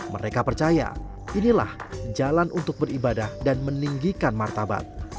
mereka percaya inilah jalan untuk beribadah dan meninggikan martabat